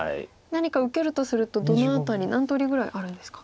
何か受けるとするとどの辺り何通りぐらいあるんですか。